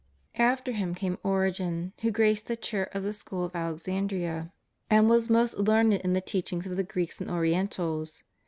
After him came Origen, who graced the chair of the school of Alexandria, and was most learned in the teachings of the Greeks and Orientals.